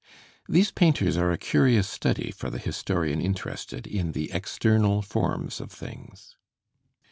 These painters are a curious study for the historian interested in the external forms of things.